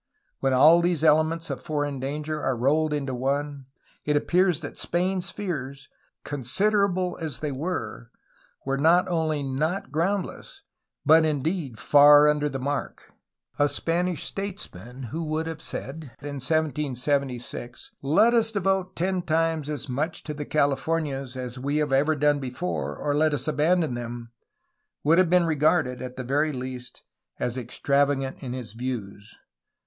When all these elements of foreign danger are rolled into one it appears that Spain's fears, considerable as they were, were not only not groundless but indeed far under the mark. A Spanish statesman who w^ould have said, in 1776, 'Tet us devote ten times as much to the Californias as we have ever done before, or let us abandon them" would have been regarded, at the very least, as extravagant in his views.